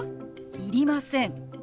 「いりません」。